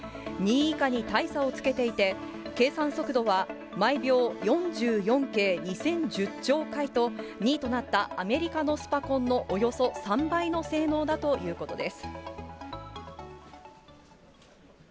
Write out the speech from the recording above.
２位以下に大差をつけていて、計算速度は毎秒４４京２０１０兆回と２位となったアメリカのスパコンのおよそ３倍の性能だということです。